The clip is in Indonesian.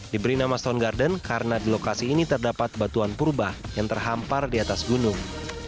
diberi nama stone garden karena di lokasi ini terdapat batuan purba yang terhampar di atas gunung